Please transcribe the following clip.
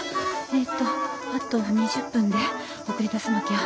えっとあと２０分で送り出さなきゃ。